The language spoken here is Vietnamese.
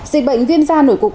dịch bệnh viêm da nổi cục